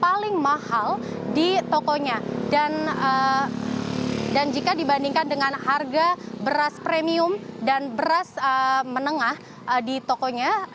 paling mahal di tokonya dan jika dibandingkan dengan harga beras premium dan beras menengah di tokonya